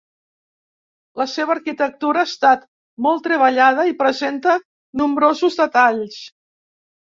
La seva arquitectura ha estat molt treballada, i presenta nombrosos detalls.